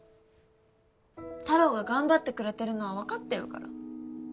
たろーが頑張ってくれてるのは分かってるから。